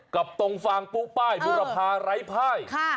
กับตรงฟางปู้ป้ายบุรพาร้ายพ่าย